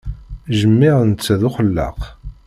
Jmiɛ netta d uxellaq.